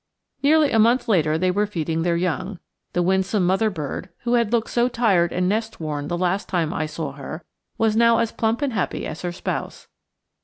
Nearly a month later they were feeding their young. The winsome mother bird, who had looked so tired and nest worn the last time I saw her, was now as plump and happy as her spouse.